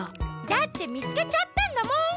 だってみつけちゃったんだもん。